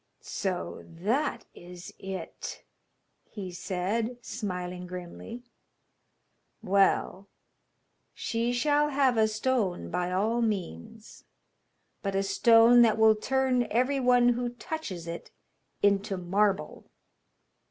'So that is it!' he said, smiling grimly. 'Well, she shall have a stone by all means, but a stone that will turn everyone who touches it into marble.'